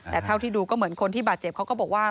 แต่เท่าที่ดูก็เหมือนคนที่บาดเจ็บเขาก็บอกว่า